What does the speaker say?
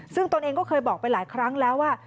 ซึ่งตนเองก็เคยบอกไปหลายครั้งแล้วว่า